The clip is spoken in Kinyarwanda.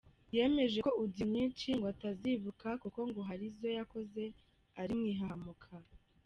Yemeje ko Audio nyinshi ngo atazibuka kuko ngo hari izoyakoze ari mu ihahamuka.